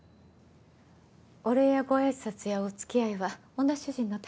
お礼やご挨拶やお付き合いは女主人の大切な仕事。